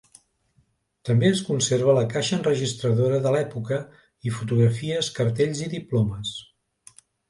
També es conserva la caixa enregistradora de l'època i fotografies, cartells i diplomes.